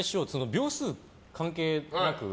秒数関係なく。